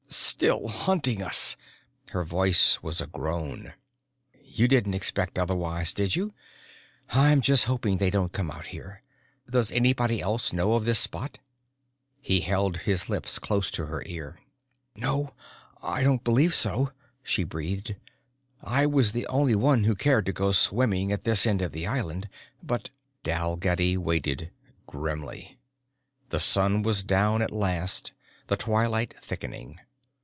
"Still hunting us!" Her voice was a groan. "You didn't expect otherwise, did you? I'm just hoping they don't come out here. Does anybody else know of this spot?" He held his lips close to her ear. "No, I don't believe so," she breathed. "I was the only one who cared to go swimming at this end of the island. But...." Dalgetty waited, grimly. The sun was down at last, the twilight thickening.